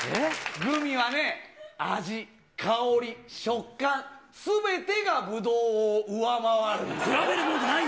グミはね、味、香り、食感、すべてがブドウを上回るんだよ。